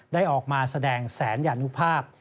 ได้ออกมาแสดงแสนยานุภาพ